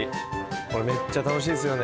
これめっちゃ楽しいですよね。